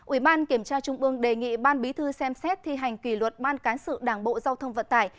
ủy ban kiểm tra trung ương đề nghị ban bí thư xem xét thi hành kỷ luật ban cán sự đảng bộ giao thông vận tải